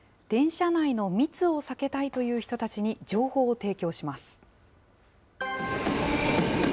電車内の密を避けたいという人たちに情報を提供します。